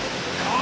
あ！